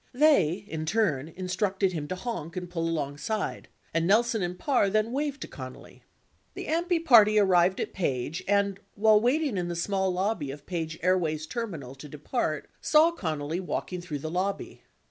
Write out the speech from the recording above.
48 They, in turn, instructed him to honk and pull alongside, and Nelson and Parr then waved to Connally. The AMPI party arrived at Page and, while waiting in the small lobby of Page Airways terminal to depart, saw Connally walking through the. lobby.